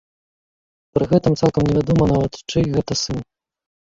Пры гэтым цалкам невядома нават, чый гэта сын.